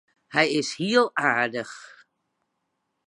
Hy is hiel aardich.